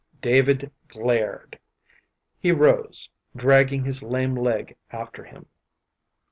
David glared. He rose, dragging his lame leg after him.